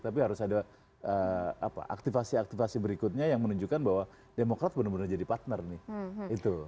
tapi harus ada aktivasi aktivasi berikutnya yang menunjukkan bahwa demokrat benar benar jadi partner nih